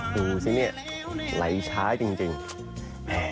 ไม่กลับมาไม่เลวในเมืองฟ้า